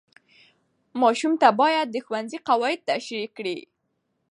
ماشوم ته باید د ښوونځي قواعد تشریح شي.